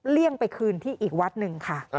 เลี่ยงไปคืนที่อีกวัดหนึ่งค่ะ